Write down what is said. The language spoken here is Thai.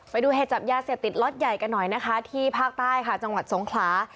ไปดูเหตุจับยาเศษติดหลอดใหญ่กันหน่อยที่ภาคใต้จังหวัดสงขลา